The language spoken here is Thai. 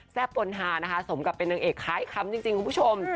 แซวปลณานะคะสมกับเป็นหนึ่งเอกค้าอีกคำจริงคุณผู้ชม